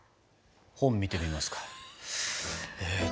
本見てみますか。